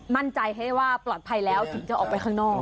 มั่นใจให้ว่าปลอดภัยแล้วถึงจะออกไปข้างนอก